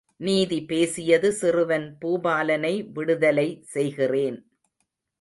நீதி பேசியது சிறுவன் பூபாலனை விடுதலை செய்கிறேன்.